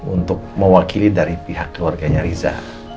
untuk mewakili dari pihak keluarganya riza